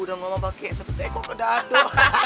udah ngomong pake satu teko ke dado